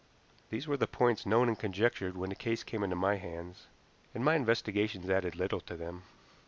These were the points known and conjectured when the case came into my hands, and my investigations added little to them.